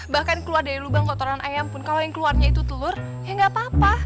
bahkan keluar dari lubang kotoran ayam pun kalau yang keluarnya itu telur ya nggak apa apa